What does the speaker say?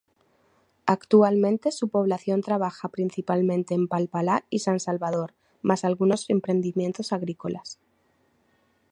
Actualmente su población trabaja principalmente en Palpalá y San Salvador, más algunos emprendimientos agrícolas.